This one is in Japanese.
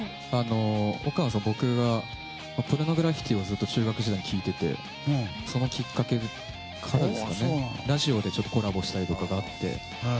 僕はポルノグラフィティをずっと中学時代に聴いていてそれをきっかけにラジオでコラボしたりとかがあって。